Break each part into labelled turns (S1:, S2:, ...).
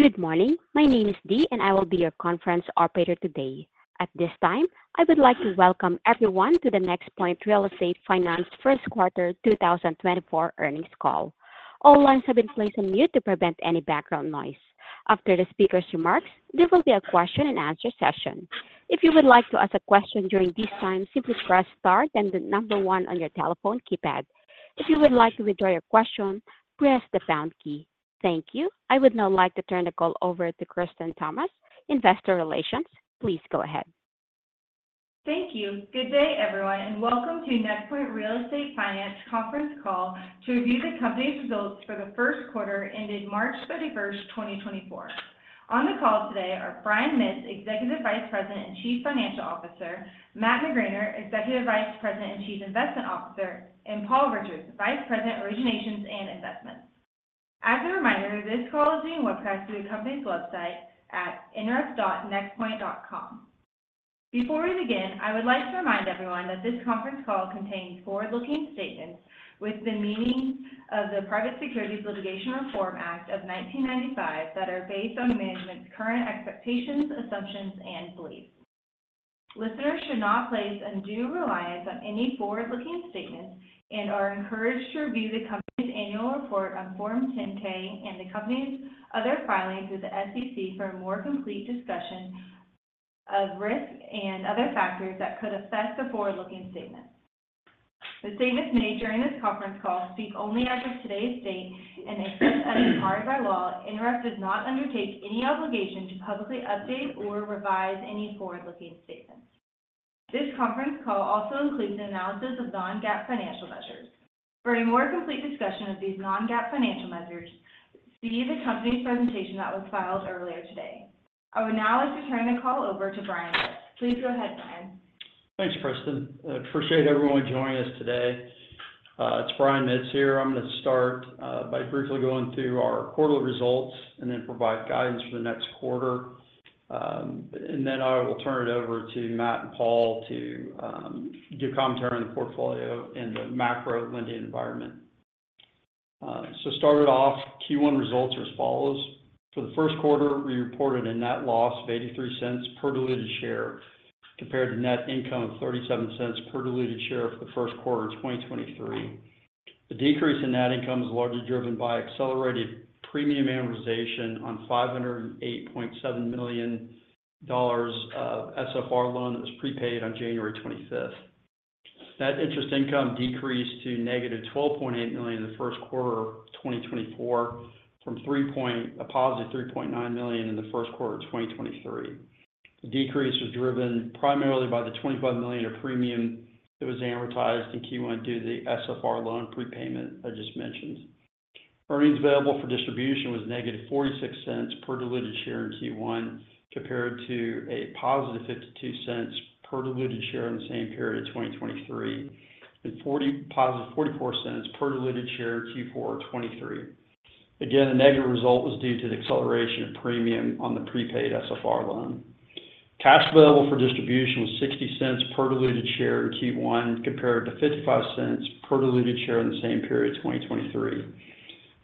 S1: Good morning. My name is Dee, and I will be your conference operator today. At this time, I would like to welcome everyone to the NexPoint Real Estate Finance first quarter 2024 earnings call. All lines have been placed on mute to prevent any background noise. After the speaker's remarks, there will be a question and answer session. If you would like to ask a question during this time, simply press star then the number one on your telephone keypad. If you would like to withdraw your question, press the pound key. Thank you. I would now like to turn the call over to Kristen Thomas, Investor Relations. Please go ahead.
S2: Thank you. Good day, everyone, and welcome to NexPoint Real Estate Finance conference call to review the company's results for the first quarter ended March 31st, 2024. On the call today are Brian Mitts, Executive Vice President and Chief Financial Officer, Matt McGraner, Executive Vice President and Chief Investment Officer, and Paul Richards, Vice President, Originations and Investments. As a reminder, this call is being webcast through the company's website at nref.nexpoint.com. Before we begin, I would like to remind everyone that this conference call contains forward-looking statements with the meaning of the Private Securities Litigation Reform Act of 1995, that are based on management's current expectations, assumptions, and beliefs. Listeners should not place undue reliance on any forward-looking statements and are encouraged to review the company's annual report on Form 10-K and the company's other filings with the SEC for a more complete discussion of risk and other factors that could affect the forward-looking statement. The statements made during this conference call speak only as of today's date, and except as required by law, NREF does not undertake any obligation to publicly update or revise any forward-looking statements. This conference call also includes an analysis of non-GAAP financial measures. For a more complete discussion of these non-GAAP financial measures, see the company's presentation that was filed earlier today. I would now like to turn the call over to Brian. Please go ahead, Brian.
S3: Thanks, Kristen. I appreciate everyone joining us today. It's Brian Mitts here. I'm going to start by briefly going through our quarterly results and then provide guidance for the next quarter. And then I will turn it over to Matt and Paul to give commentary on the portfolio and the macro lending environment. So, to start it off, Q1 results are as follows: For the first quarter, we reported a net loss of $0.83 per diluted share, compared to net income of $0.37 per diluted share for the first quarter of 2023. The decrease in net income was largely driven by accelerated premium amortization on $508.7 million of SFR loan that was prepaid on January 25th. Net interest income decreased to -$12.8 million in the first quarter of 2024, from $3.9 million in the first quarter of 2023. The decrease was driven primarily by the $25 million of premium that was amortized in Q1 due to the SFR loan prepayment I just mentioned. Earnings available for distribution was -$0.46 per diluted share in Q1, compared to $0.52 per diluted share in the same period of 2023, and $0.44 per diluted share in Q4 2023. Again, the negative result was due to the acceleration of premium on the prepaid SFR loan. Cash available for distribution was $0.60 per diluted share in Q1, compared to $0.55 per diluted share in the same period, 2023.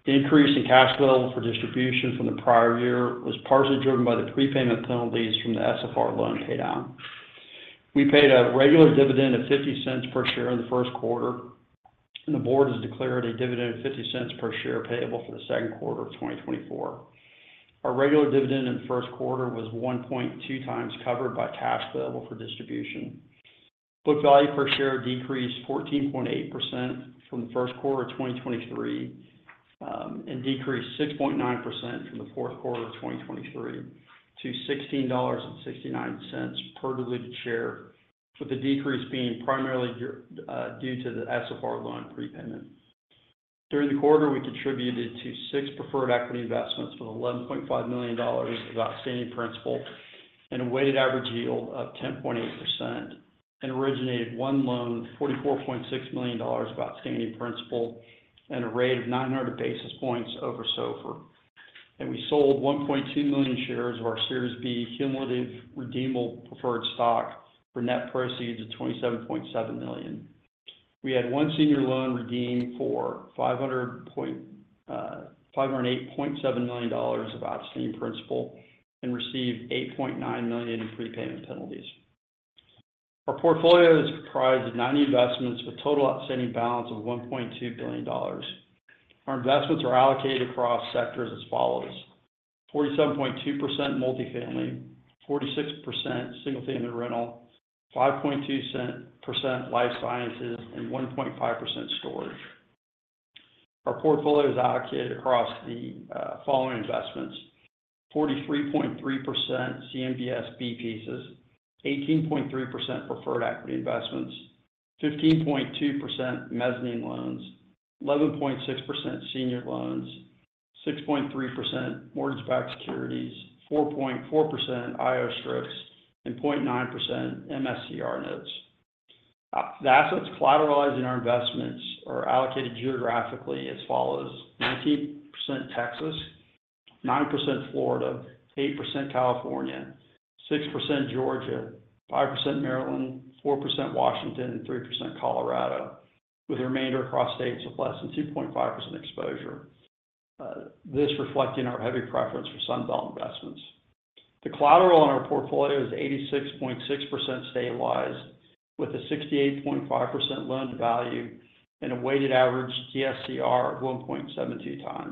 S3: The increase in cash available for distribution from the prior year was partially driven by the prepayment penalties from the SFR loan paydown. We paid a regular dividend of $0.50 per share in the first quarter, and the board has declared a dividend of $0.50 per share payable for the second quarter of 2024. Our regular dividend in the first quarter was 1.2 times covered by cash available for distribution. Book value per share decreased 14.8% from the first quarter of 2023, and decreased 6.9% from the fourth quarter of 2023 to $16.69 per diluted share, with the decrease being primarily due to the SFR loan prepayment. During the quarter, we contributed to six preferred equity investments with $11.5 million of outstanding principal and a weighted average yield of 10.8%, and originated one loan, $44.6 million of outstanding principal at a rate of 900 basis points over SOFR. We sold 1.2 million shares of our Series B Cumulative Redeemable Preferred Stock for net proceeds of $27.7 million. We had one senior loan redeemed for $508.7 million of outstanding principal and received $8.9 million in prepayment penalties. Our portfolio is comprised of 90 investments, with total outstanding balance of $1.2 billion. Our investments are allocated across sectors as follows: 47.2% multifamily, 46% single-family rental, 5.2% life sciences, and 1.5% storage. Our portfolio is allocated across the following investments: 43.3% CMBS B pieces, 18.3% preferred equity investments, 15.2% mezzanine loans, 11.6% senior loans, 6.3% mortgage-backed securities, 4.4% IO strips, and 0.9% MSCR notes. The assets collateralized in our investments are allocated geographically as follows: 19% Texas, 9% Florida, 8% California, 6% Georgia, 5% Maryland, 4% Washington, and 3% Colorado with the remainder across states of less than 2.5% exposure. This reflecting our heavy preference for Sunbelt investments. The collateral on our portfolio is 86.6% stabilized, with a 68.5% loan-to-value and a weighted average DSCR of 1.72x.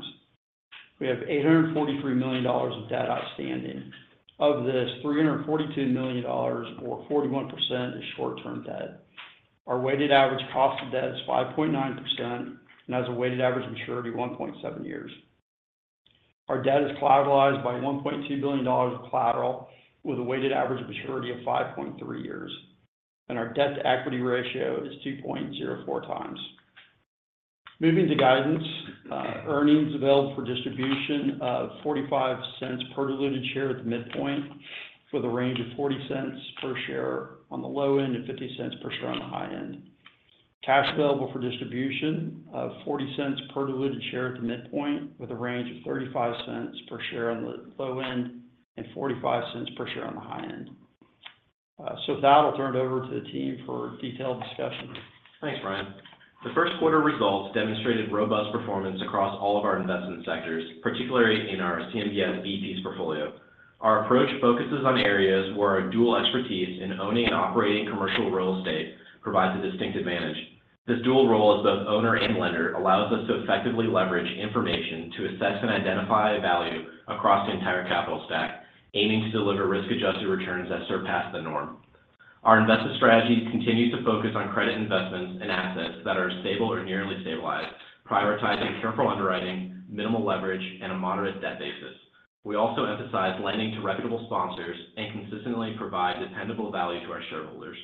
S3: We have $843 million of debt outstanding. Of this, $342 million or 41% is short-term debt. Our weighted average cost of debt is 5.9%, and has a weighted average maturity of 1.7 years. Our debt is collateralized by $1.2 billion of collateral, with a weighted average maturity of 5.3 years, and our debt-to-equity ratio is 2.04x. Moving to guidance, earnings available for distribution of $0.45 per diluted share at the midpoint, with a range of $0.40-$0.50 per share on the low end and high end. Cash available for distribution of $0.40 per diluted share at the midpoint, with a range of $0.35 per share on the low end and $0.45 per share on the high end. So with that, I'll turn it over to the team for a detailed discussion.
S4: Thanks, Brian. The first quarter results demonstrated robust performance across all of our investment sectors, particularly in our CMBS B pieces portfolio. Our approach focuses on areas where our dual expertise in owning and operating commercial real estate provides a distinct advantage. This dual role as both owner and lender allows us to effectively leverage information to assess and identify value across the entire capital stack, aiming to deliver risk-adjusted returns that surpass the norm. Our investment strategy continues to focus on credit investments and assets that are stable or nearly stabilized, prioritizing careful underwriting, minimal leverage, and a moderate debt basis. We also emphasize lending to reputable sponsors and consistently provide dependable value to our shareholders.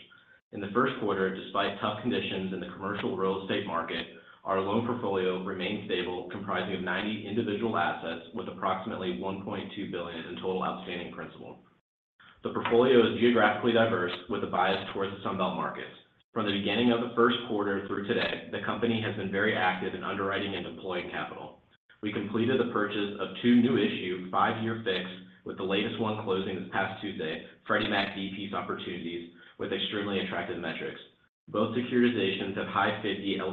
S4: In the first quarter, despite tough conditions in the commercial real estate market, our loan portfolio remained stable, comprising of 90 individual assets with approximately $1.2 billion in total outstanding principal. The portfolio is geographically diverse, with a bias towards the Sunbelt markets. From the beginning of the first quarter through today, the company has been very active in underwriting and deploying capital. We completed the purchase of two new issue, five-year fixed, with the latest one closing this past Tuesday, Freddie Mac B-Piece opportunities with extremely attractive metrics. Both securitizations have high 50%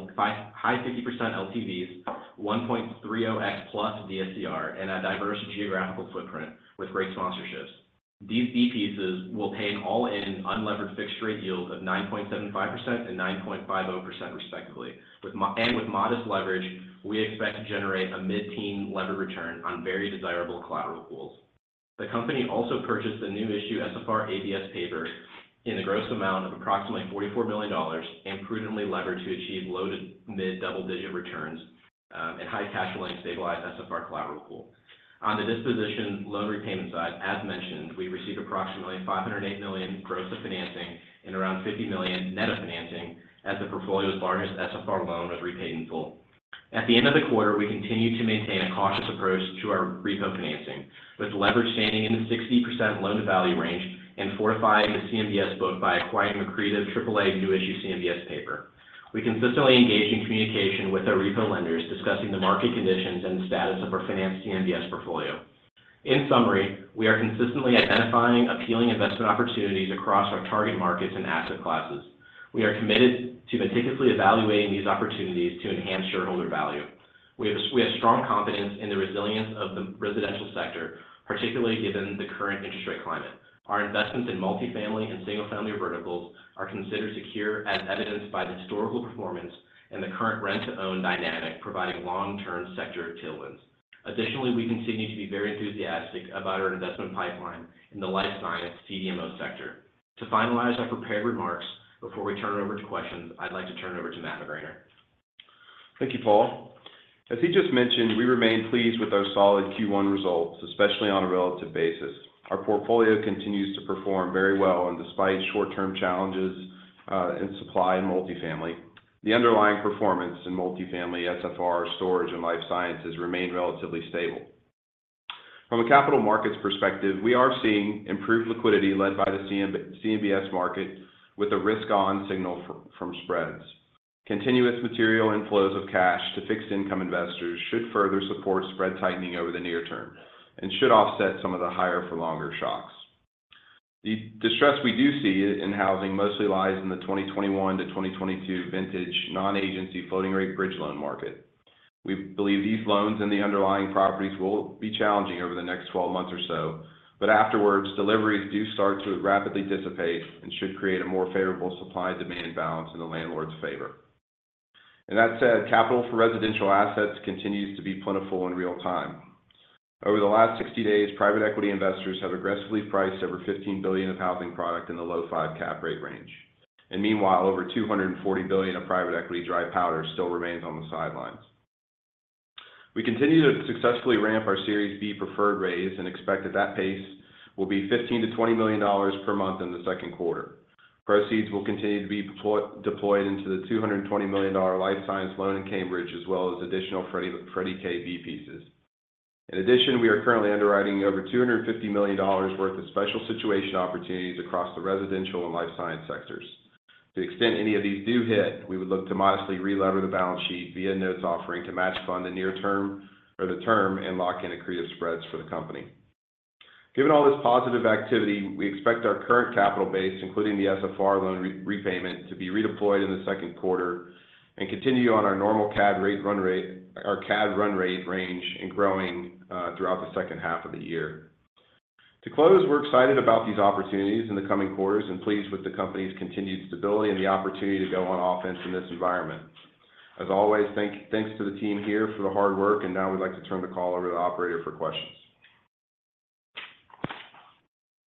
S4: LTVs, 1.30x+ DSCR, and a diverse geographical footprint with great sponsorships. These B pieces will pay an all-in unlevered fixed rate yield of 9.75% and 9.5%, respectively. With modest leverage, we expect to generate a mid-teen levered return on very desirable collateral pools. The company also purchased a new issue, SFR ABS paper, in the gross amount of approximately $44 million, and prudently leveraged to achieve low to mid-double-digit returns, and high cash flowing stabilized SFR collateral pool. On the disposition loan repayment side, as mentioned, we received approximately $508 million gross of financing and around $50 million net of financing, as the portfolio's largest SFR loan was repaid in full. At the end of the quarter, we continued to maintain a cautious approach to our repo financing, with leverage standing in the 60% loan-to-value range and fortifying the CMBS book by acquiring accretive triple-A new issue CMBS paper. We consistently engage in communication with our repo lenders, discussing the market conditions and the status of our finance CMBS portfolio. In summary, we are consistently identifying appealing investment opportunities across our target markets and asset classes. We are committed to meticulously evaluating these opportunities to enhance shareholder value. We have strong confidence in the resilience of the residential sector, particularly given the current interest rate climate. Our investments in multifamily and single-family verticals are considered secure, as evidenced by the historical performance and the current rent-to-own dynamic, providing long-term sector tailwinds. Additionally, we continue to be very enthusiastic about our investment pipeline in the life science CDMO sector. To finalize our prepared remarks, before we turn it over to questions, I'd like to turn it over to Matt McGraner.
S5: Thank you, Paul. As he just mentioned, we remain pleased with our solid Q1 results, especially on a relative basis. Our portfolio continues to perform very well, and despite short-term challenges in supply and multifamily, the underlying performance in multifamily, SFR, storage, and life sciences remain relatively stable. From a capital markets perspective, we are seeing improved liquidity led by the CMBS market with a risk-on signal from spreads. Continuous material inflows of cash to fixed income investors should further support spread tightening over the near term, and should offset some of the higher for longer shocks. The distress we do see in housing mostly lies in the 2021 to 2022 vintage non-agency floating rate bridge loan market. We believe these loans and the underlying properties will be challenging over the next 12 months or so, but afterwards, deliveries do start to rapidly dissipate and should create a more favorable supply and demand balance in the landlord's favor. And that said, capital for residential assets continues to be plentiful in real time. Over the last 60 days, private equity investors have aggressively priced over $15 billion of housing product in the low five cap rate range, and meanwhile, over $240 billion of private equity dry powder still remains on the sidelines. We continue to successfully ramp our Series B preferred raise and expect that that pace will be $15 million-$20 million per month in the second quarter. Proceeds will continue to be deployed into the $220 million life science loan in Cambridge, as well as additional Freddie K B pieces. In addition, we are currently underwriting over $250 million worth of special situation opportunities across the residential and life science sectors. To the extent any of these do hit, we would look to modestly relever the balance sheet via notes offering to match fund the near term or the term, and lock in accretive spreads for the company. Given all this positive activity, we expect our current capital base, including the SFR loan repayment, to be redeployed in the second quarter and continue on our normal CAD run rate range and growing throughout the second half of the year. To close, we're excited about these opportunities in the coming quarters and pleased with the company's continued stability and the opportunity to go on offense in this environment. As always, thanks to the team here for the hard work, and now I would like to turn the call over to the operator for questions.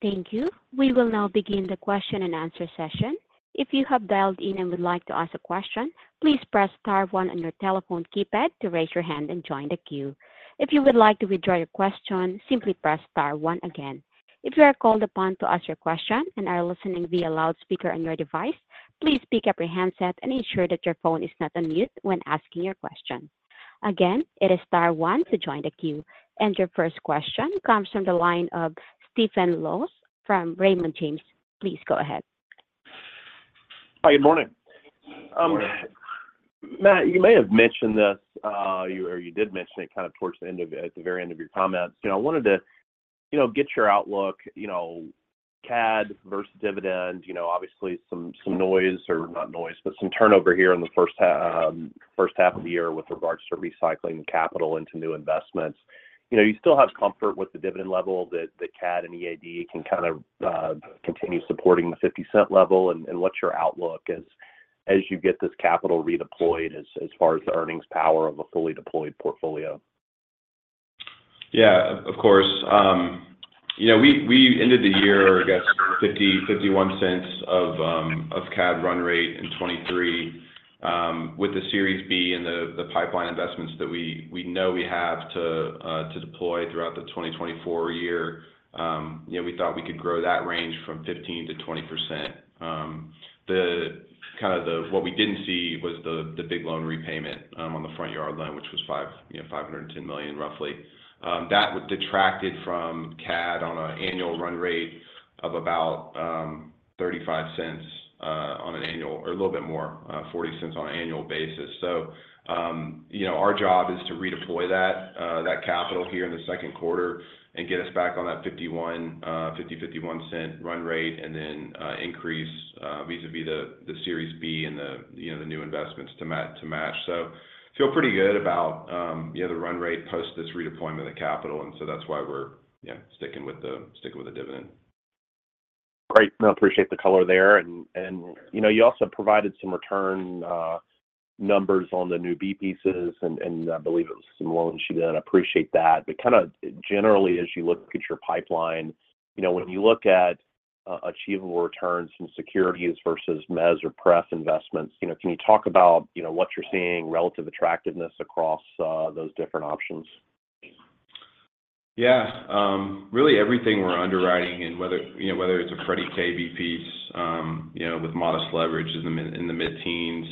S1: Thank you. We will now begin the question-and-answer session. If you have dialed in and would like to ask a question, please press star one on your telephone keypad to raise your hand and join the queue. If you would like to withdraw your question, simply press star one again. If you are called upon to ask your question and are listening via loudspeaker on your device, please pick up your handset and ensure that your phone is not on mute when asking your question. Again, it is star one to join the queue. Your first question comes from the line of Stephen Laws from Raymond James. Please go ahead.
S6: Hi, good morning.
S5: Good morning.
S6: Matt, you may have mentioned this, or you did mention it kind of towards the end of it, at the very end of your comments. You know, I wanted to, you know, get your outlook, you know, CAD versus dividend. You know, obviously some noise, or not noise, but some turnover here in the first half of the year with regards to recycling capital into new investments. You know, you still have comfort with the dividend level that, that CAD and EAD can kind of continue supporting the $0.50 level, and, and what's your outlook as, as you get this capital redeployed as, as far as the earnings power of a fully deployed portfolio?
S5: Yeah, of course. You know, we ended the year, I guess, $0.51 of CAD run rate in 2023. With the Series B and the pipeline investments that we know we have to deploy throughout the 2024 year, you know, we thought we could grow that range from 15%-20%. The kind of what we didn't see was the big loan repayment on the Front Yard loan, which was $510 million, roughly. That detracted from CAD on an annual run rate of about $0.35, on an annual or a little bit more, $0.40 on an annual basis. So, you know, our job is to redeploy that capital here in the second quarter and get us back on that $0.51 run rate, and then increase vis-a-vis the Series B and the, you know, the new investments to match. So feel pretty good about, you know, the run rate post this redeployment of the capital, and so that's why we're, yeah, sticking with the dividend.
S6: Great. I appreciate the color there. And, you know, you also provided some return numbers on the new B pieces, and I believe it was some loans you did. I appreciate that. But kind of generally, as you look at your pipeline, you know, when you look at achievable returns from securities versus mezz or pref investments, you know, can you talk about what you're seeing, relative attractiveness across those different options?
S5: Yeah. Really everything we're underwriting and whether, you know, whether it's a Freddie K B piece, you know, with modest leverage in the mid-teens,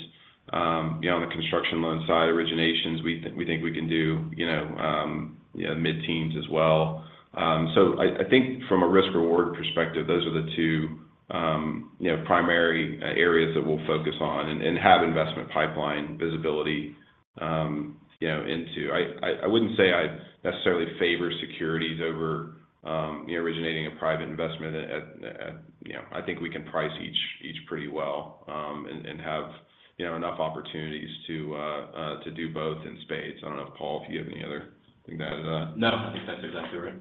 S5: you know, on the construction loan side, originations, we think we can do, you know, mid-teens as well. So I wouldn't say I necessarily favor securities over, you know, originating a private investment at, you know, I think we can price each pretty well, and have, you know, enough opportunities to do both in spades. I don't know, Paul, if you have any other thing to add?
S4: No, I think that's exactly right.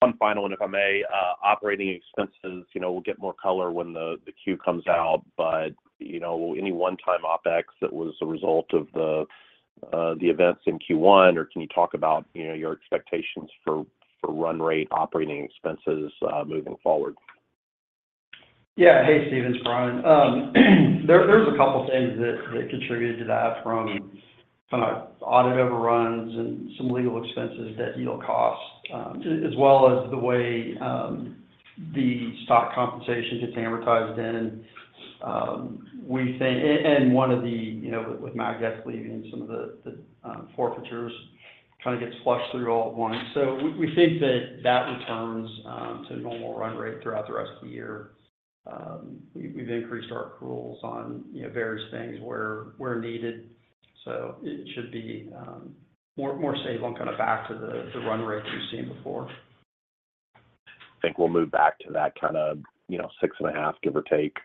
S6: One final, and if I may, operating expenses, you know, we'll get more color when the Q comes out, but, you know, any one-time OpEx that was a result of the events in Q1, or can you talk about, you know, your expectations for run rate operating expenses moving forward?
S3: Yeah. Hey, Stephen, it's Brian. There, there's a couple of things that contributed to that, from kind of audit overruns and some legal expenses, debt yield costs, as well as the way the stock compensation gets amortized in. We think—and one of the, you know, with my guests leaving some of the forfeitures, kind of gets flushed through all at once. So we think that returns to normal run rate throughout the rest of the year. We've increased our pools on, you know, various things where we're needed, so it should be more stable and kind of back to the run rate that we've seen before.
S6: I think we'll move back to that kind of, you know, 6.5, give or take,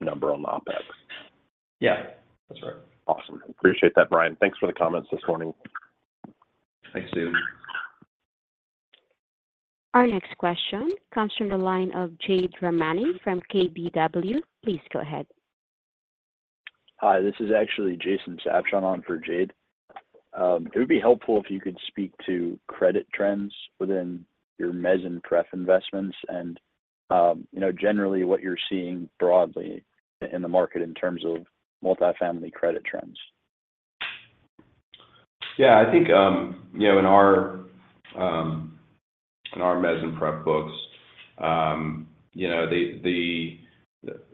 S6: number on the OpEx.
S3: Yeah, that's right.
S6: Awesome. Appreciate that, Brian. Thanks for the comments this morning.
S3: Thanks, Stephen.
S1: Our next question comes from the line of Jade Rahmani from KBW. Please go ahead.
S7: Hi, this is actually Jason Sabshon on for Jade. It would be helpful if you could speak to credit trends within your mezz and pref investments and, you know, generally what you're seeing broadly in the market in terms of multifamily credit trends.
S5: Yeah, I think, you know, in our, in our mezz and pref books, you know, the, the,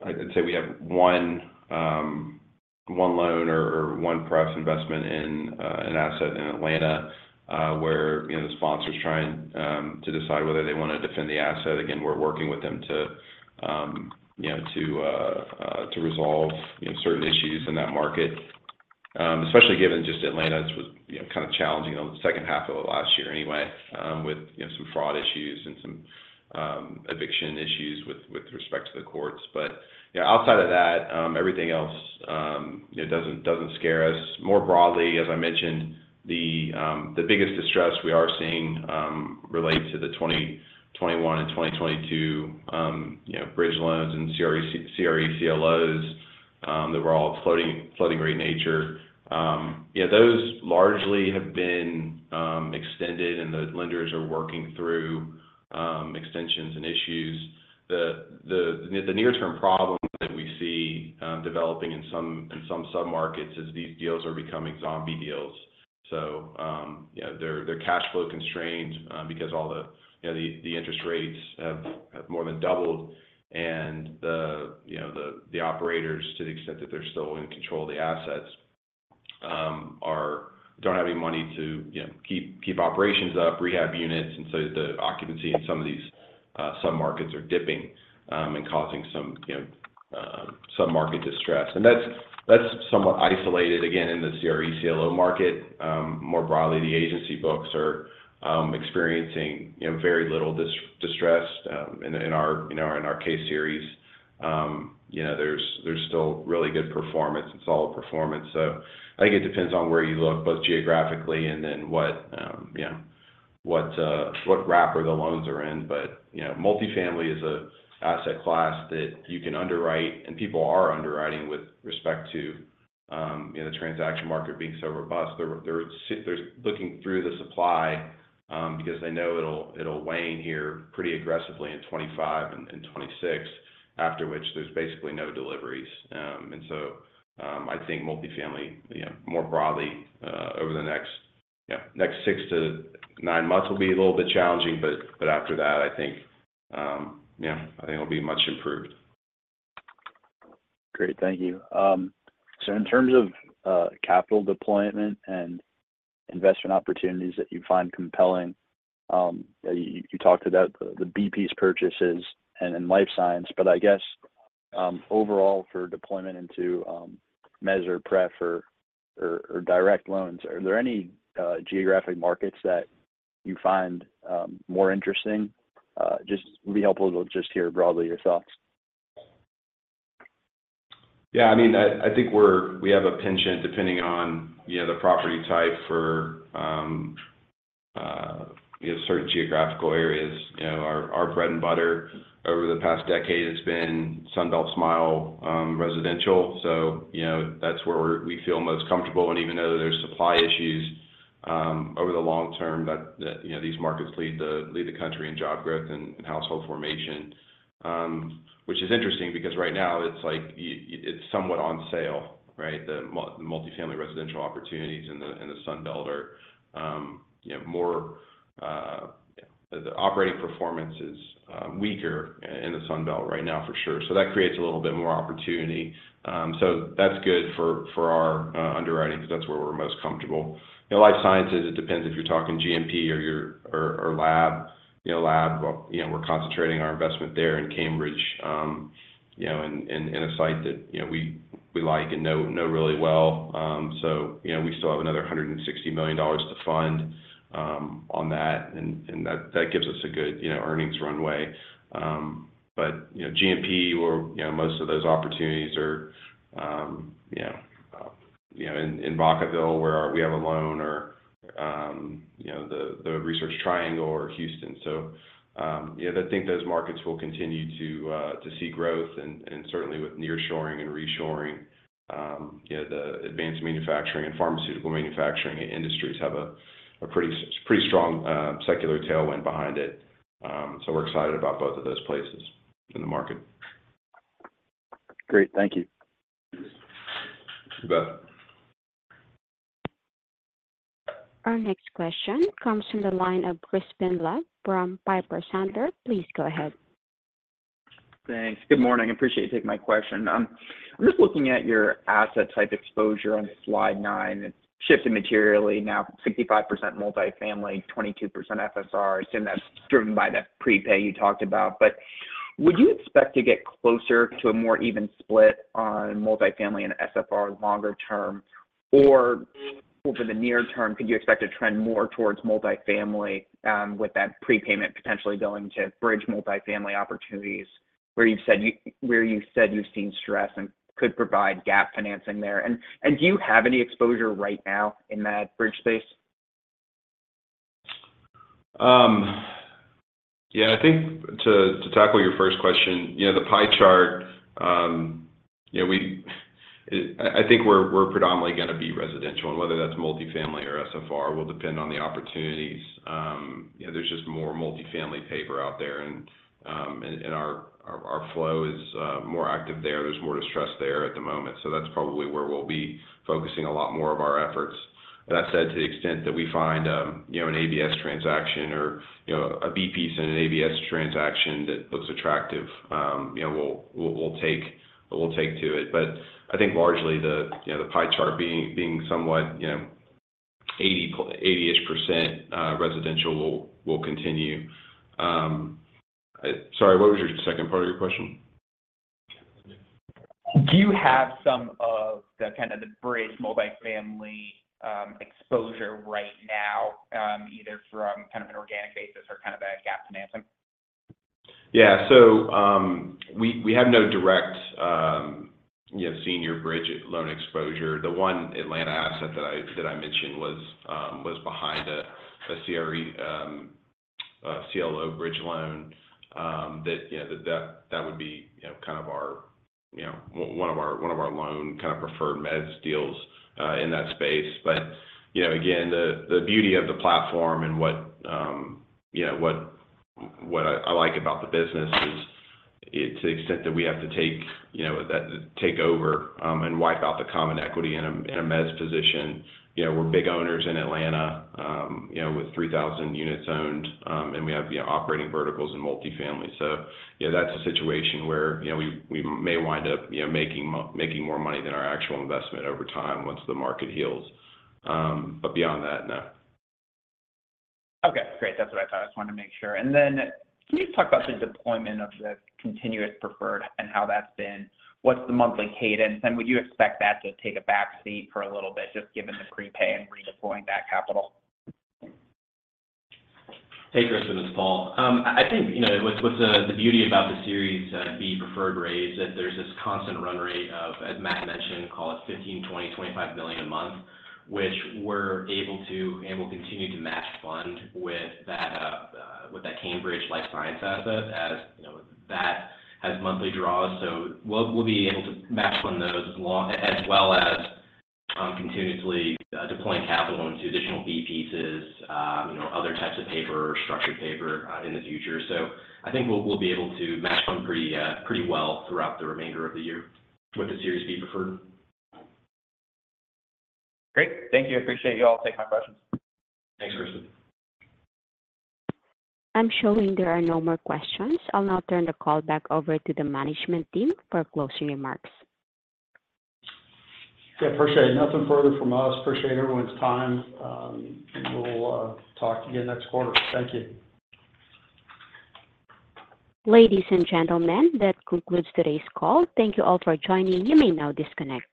S5: I'd say we have one, one loan or, or one pref investment in, an asset in Atlanta, where, you know, the sponsor's trying, to decide whether they want to defend the asset. Again, we're working with them to, you know, to, to resolve, you know, certain issues in that market. Especially given just Atlanta, it was, you know, kind of challenging on the second half of last year anyway, with, you know, some fraud issues and some, eviction issues with, with respect to the courts. But, you know, outside of that, everything else, it doesn't, doesn't scare us. More broadly, as I mentioned, the biggest distress we are seeing relates to the 2021 and 2022, you know, bridge loans and CRE, CRE CLOs that were all floating, floating rate nature. Yeah, those largely have been extended, and those lenders are working through extensions and issues. The near-term problem that we see developing in some submarkets is these deals are becoming zombie deals. So, you know, their cash flow constrained, because all the, you know, the, the interest rates have, have more than doubled, and the, you know, the, the operators, to the extent that they're still in control of the assets, are don't have any money to, you know, keep, keep operations up, rehab units, and so the occupancy in some of these, submarkets are dipping, and causing some, you know, submarket distress. And that's, that's somewhat isolated, again, in the CRE CLO market. More broadly, the agency books are, experiencing, you know, very little distress. In, in our, in our, in our K-series, you know, there's, there's still really good performance and solid performance, so I think it depends on where you look, both geographically and then what, you know, what, uh, what wrapper the loans are in. But, you know, multifamily is an asset class that you can underwrite, and people are underwriting with respect to, you know, the transaction market being so robust. They're, they're looking through the supply, because they know it'll, it'll wane here pretty aggressively in 25 and, and 26, after which there's basically no deliveries. And so, I think multifamily, you know, more broadly, over the next, yeah, next six to nine months will be a little bit challenging, but, but after that, I think, yeah, I think it'll be much improved.
S7: Great. Thank you. So in terms of capital deployment and investment opportunities that you find compelling, you talked about the B-Piece purchases and life science, but I guess overall, for deployment into mezz, pref or direct loans, are there any geographic markets that you find more interesting? Just would be helpful to just hear broadly your thoughts.
S5: Yeah, I mean, I think we're—we have a penchant, depending on, you know, the property type for, you know, certain geographical areas. You know, our bread and butter over the past decade has been Sunbelt multifamily residential. So, you know, that's where we're—we feel most comfortable. And even though there's supply issues over the long term, that, you know, these markets lead the country in job growth and household formation. Which is interesting because right now it's like—it's somewhat on sale, right? The multifamily residential opportunities in the Sunbelt are, you know, more... The operating performance is weaker in the Sunbelt right now for sure. So that creates a little bit more opportunity. So that's good for our underwriting, because that's where we're most comfortable. You know, life sciences, it depends if you're talking GMP or you're or lab. You know, lab, well, you know, we're concentrating our investment there in Cambridge, you know, in, in, in a site that, you know, we, we like and know really well. So, you know, we still have another $160 million to fund on that, and, and that, that gives us a good, you know, earnings runway. But, you know, GMP or, you know, most of those opportunities are, you know, in Vacaville, where we have a loan or, you know, the Research Triangle or Houston. So, yeah, I think those markets will continue to see growth and certainly with nearshoring and reshoring, you know, the advanced manufacturing and pharmaceutical manufacturing industries have a pretty strong secular tailwind behind it. So we're excited about both of those places in the market.
S7: Great. Thank you.
S5: You bet.
S1: Our next question comes from the line of Crispin Love from Piper Sandler. Please go ahead.
S8: Thanks. Good morning. I appreciate you taking my question. I'm just looking at your asset type exposure on slide nine. It's shifted materially, now 65% multifamily, 22% SFR. I assume that's driven by that prepay you talked about. But would you expect to get closer to a more even split on multifamily and SFR longer term? Or over the near term, could you expect to trend more towards multifamily, with that prepayment potentially going to bridge multifamily opportunities, where you've said you've seen stress and could provide gap financing there? And do you have any exposure right now in that bridge space?
S5: Yeah, I think to tackle your first question, you know, the pie chart, you know, I think we're predominantly gonna be residential, and whether that's multifamily or SFR will depend on the opportunities. You know, there's just more multifamily paper out there, and our flow is more active there. There's more distress there at the moment, so that's probably where we'll be focusing a lot more of our efforts. That said, to the extent that we find, you know, an ABS transaction or, you know, a B-piece in an ABS transaction that looks attractive, you know, we'll take to it. But I think largely the pie chart being somewhat, you know, 80%-ish residential will continue. Sorry, what was your second part of your question?
S8: Do you have some of the kind of the bridge multifamily, exposure right now, either from kind of an organic basis or kind of a gap financing?
S5: Yeah. So, we have no direct, you know, senior bridge loan exposure. The one Atlanta asset that I mentioned was behind a CRE CLO bridge loan, that, you know, that would be, you know, kind of our one of our loan kind of preferred mezz deals in that space. But, you know, again, the beauty of the platform and what, you know, what I like about the business is, to the extent that we have to take that take over and wipe out the common equity in a mezz position. You know, we're big owners in Atlanta, you know, with 3,000 units owned, and we have, you know, operating verticals in multifamily. So yeah, that's a situation where, you know, we may wind up, you know, making more money than our actual investment over time, once the market heals. But beyond that, no.
S8: Okay, great. That's what I thought. I just wanted to make sure. And then can you talk about the deployment of the continuous preferred and how that's been? What's the monthly cadence, and would you expect that to take a back seat for a little bit, just given the prepay and redeploying that capital?
S4: Hey, Crispin, it's Paul. I think, you know, what's the beauty about the Series B preferred raise, that there's this constant run rate of, as Matt mentioned, call it $15 million-$25 million a month, which we're able to and will continue to match fund with that, with that Cambridge life science asset, as, you know, that has monthly draws. So we'll be able to match fund those as long as well as continuously deploying capital into additional B pieces, you know, other types of paper or structured paper, in the future. So I think we'll be able to match fund pretty, pretty well throughout the remainder of the year with the Series B preferred.
S8: Great. Thank you. Appreciate you all taking my questions.
S4: Thanks, Crispin.
S1: I'm showing there are no more questions. I'll now turn the call back over to the management team for closing remarks.
S5: Yeah, appreciate it. Nothing further from us. Appreciate everyone's time, and we'll talk again next quarter. Thank you.
S1: Ladies and gentlemen, that concludes today's call. Thank you all for joining. You may now disconnect.